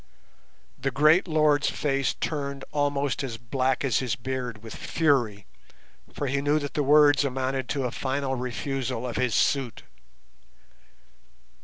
The great lord's face turned almost as black as his beard with fury, for he knew that the words amounted to a final refusal of his suit.